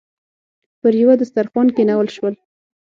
پر یوه دسترخوان کېنول شول.